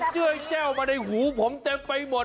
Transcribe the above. เสียงเจ้ามาในหูผมเต็บไปหมด